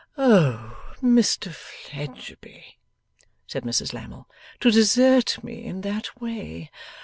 'Oh, Mr Fledgeby,' said Mrs Lammle, 'to desert me in that way!